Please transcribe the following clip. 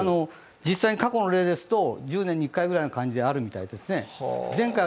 実際に過去の例ですと１０年に一回くらいの感じであるみたいですね。